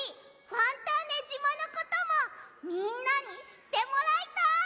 ファンターネじまのこともみんなにしってもらいたい！